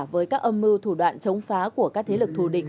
với các âm mưu thủ đoạn chống phá của các thế lực thù địch